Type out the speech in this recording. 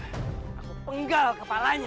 aku penggal kepalanya